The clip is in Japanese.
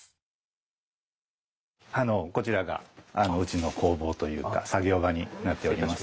あのこちらがうちの工房というか作業場になっております。